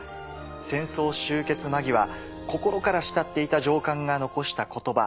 戦争終結間際心から慕っていた上官が残した言葉。